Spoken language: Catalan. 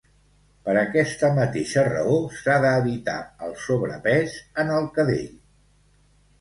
Per aquesta mateixa raó s'ha d'evitar el sobrepès en el cadell.